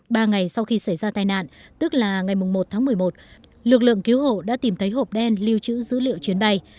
ba ngày sau khi xảy ra tai nạn tức là ngày một tháng một mươi một lực lượng cứu hộ đã tìm thấy hộp đen lưu trữ dữ liệu chuyến bay